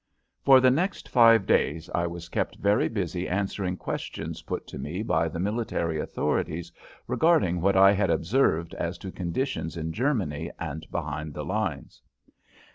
For the next five days I was kept very busy answering questions put to me by the military authorities regarding what I had observed as to conditions in Germany and behind the lines.